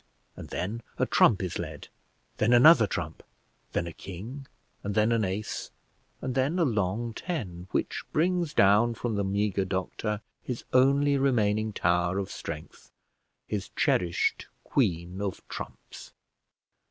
And then a trump is led, then another trump; then a king, and then an ace, and then a long ten, which brings down from the meagre doctor his only remaining tower of strength his cherished queen of trumps.